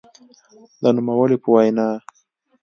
د نوموړي په وینا؛